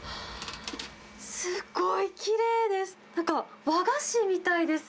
すごい、きれいです。